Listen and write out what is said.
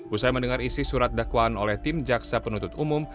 usai mendengar isi surat dakwaan oleh tim jaksa penuntut umum